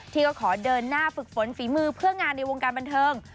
ที่ก็ขอเดินหน้าฝึกฝนฝีมือเพื่องานในวงการบันเทิง